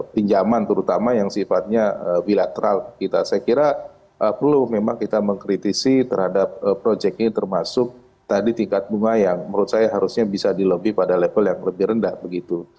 pinjaman terutama yang sifatnya bilateral kita saya kira perlu memang kita mengkritisi terhadap proyek ini termasuk tadi tingkat bunga yang menurut saya harusnya bisa dilobi pada level yang lebih rendah begitu